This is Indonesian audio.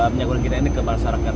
minyak goreng kita ini ke pasar rakyat